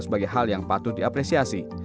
sebagai hal yang patut diapresiasi